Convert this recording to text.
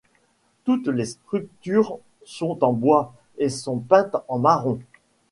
Toutes les structures sont en bois et sont peintes en marron.